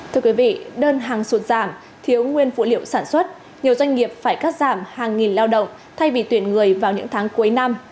thưa quý vị đơn hàng sụt giảm thiếu nguyên phụ liệu sản xuất nhiều doanh nghiệp phải cắt giảm hàng nghìn lao động thay vì tuyển người vào những tháng cuối năm